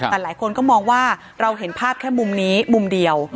แต่หลายคนก็มองว่าเราเห็นภาพแค่มุมนี้มุมเดียว